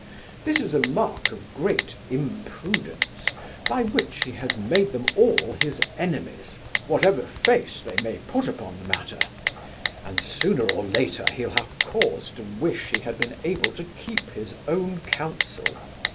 This is a mark of great imprudence, by which he has made them all his enemies, whatever face they may put upon the matter; and sooner or later he'll have cause to wish he had been able to keep his own counsel.